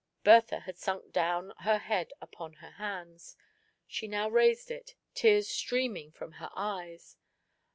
Bertha had sunk down her head upon her hands; she now raised it, tears streaming from her eyes.